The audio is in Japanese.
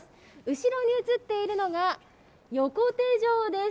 後ろに映っているのが横手城です。